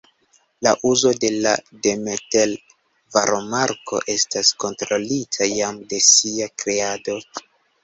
La uzo de la Demeter-varomarko estas kontrolita jam de sia kreado.